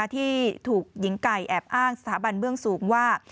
ที่ถูกหญิงไก่แอบอ้างสถาบันเบื้องสูงว่า